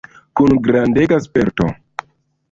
Kun grandega sperto.